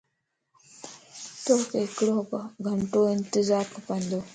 توک ھڪڙو گھنٽو انتظار کپندو